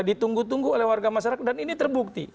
ditunggu tunggu oleh warga masyarakat dan ini terbukti